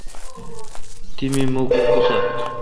تی می مکھ اکسال۔